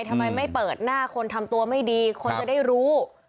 ทำไมไม่เปิดหน้าคนทำตัวไม่ดีคนจะได้รู้